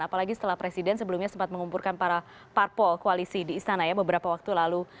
apalagi setelah presiden sebelumnya sempat mengumpulkan para parpol koalisi di istana ya beberapa waktu lalu